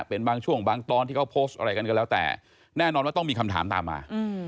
เป็นบางช่วงบางตอนที่เขาโพสต์อะไรกันก็แล้วแต่แน่นอนว่าต้องมีคำถามตามมา